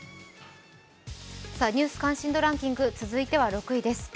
「ニュース関心度ランキング」続いては６位です。